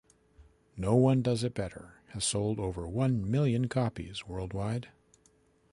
"No One Does It Better" has sold over one million copies worldwide.